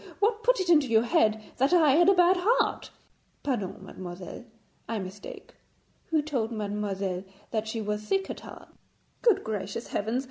What put it into your head that I had a bad heart?' 'Pardon! mademoiselle; I mistake. Who told mademoiselle that she was sick at heart?' 'Good gracious heavens!